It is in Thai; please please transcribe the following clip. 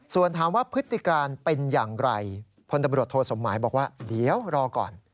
ส่วนถามว่าพฤติการเป็นอย่างไรพลตำรวจโทสมหมายบอกว่าเดี๋ยวรอก่อน